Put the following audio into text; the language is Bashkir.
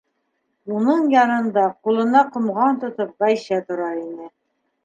Уның янында, ҡулына ҡомған тотоп, Ғәйшә тора ине.